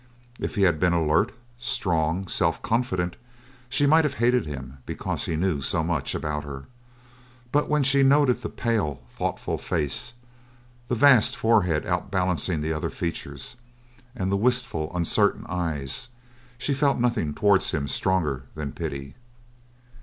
If he had been alert, strong, self confident, she might have hated him because he knew so much about her; but when she noted the pale, thoughtful face, the vast forehead outbalancing the other features, and the wistful, uncertain eyes, she felt nothing towards him stronger than pity.